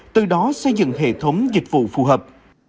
từ đó xây dựng hệ thống dịch vụ phù hợp